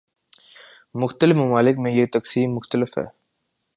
مختلف ممالک میں یہ تقسیم مختلف ہے۔